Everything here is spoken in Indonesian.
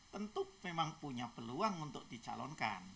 tentu memang punya peluang untuk dicalonkan